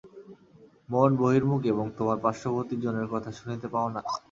মন বহির্মুখ এবং তোমার পার্শ্ববর্তী জনের কথা শুনিতে পাও না।